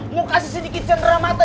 mau kasih sedikit cendera mata